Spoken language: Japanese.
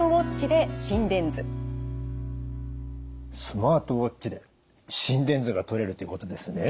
スマートウォッチで心電図がとれるということですね。